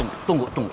tunggu tunggu tunggu